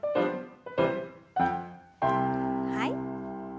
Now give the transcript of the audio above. はい。